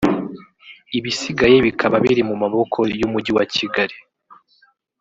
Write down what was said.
ibisigaye bikaba biri mu maboko y’Umujyi wa Kigali